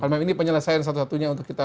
karena ini penyelesaian satu satunya untuk kita